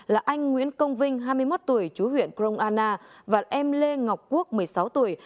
là anh nguyễn công vinh hai mươi một tuổi chú huyện crong anna và em lê ngọc quốc một mươi sáu tuổi